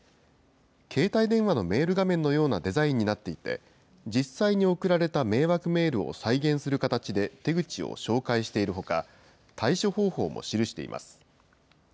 携帯電話のメール画面のようなデザインになっていて、実際に送られた迷惑メールを再現する形で手口を紹介しているほか、対処方法も記しています。